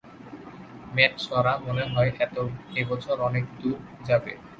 মেটসরা মনে হয় এবছর অনেকদূর যাবে।